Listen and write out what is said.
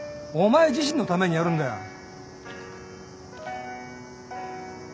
お前自身のためにやるんだよ。